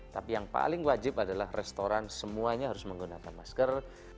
tapi yang paling wajib adalah restoran semuanya harus menggunakan masker